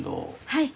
はい。